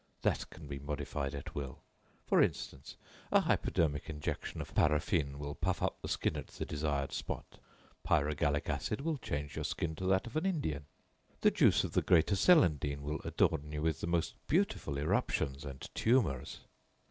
That can be modified at will. For instance, a hypodermic injection of paraffine will puff up the skin at the desired spot. Pyrogallic acid will change your skin to that of an Indian. The juice of the greater celandine will adorn you with the most beautiful eruptions and tumors.